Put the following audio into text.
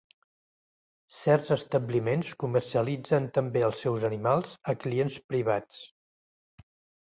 Certs establiments comercialitzen també els seus animals a clients privats.